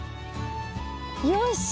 よし！